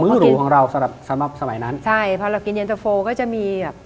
มื้อหรูของเราสำหรับสมัยนั้นใช่พอเรากินเย็นเตอร์โฟลก็จะมีแบบ